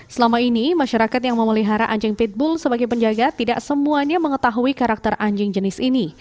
selama ini masyarakat yang memelihara anjing pitbull sebagai penjaga tidak semuanya mengetahui karakter anjing jenis ini